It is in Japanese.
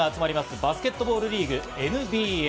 バスケットボールリーグ・ＮＢＡ。